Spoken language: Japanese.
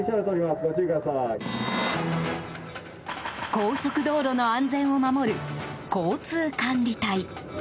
高速道路の安全を守る交通管理隊。